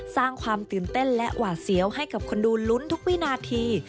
สร้างความตื่นเต้นและหวาดเสียวให้กับคนดูลุ้นทุกวินาที